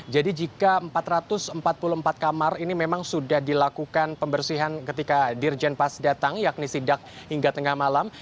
jadi jika empat ratus empat puluh empat kamar ini memang sudah dilakukan pembersihan ketika dirjen pas datang yakni sidak hingga tengah malam